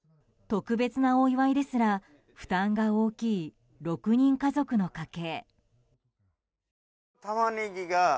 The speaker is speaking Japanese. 特別なお祝いですら負担が大きい６人家族の家計。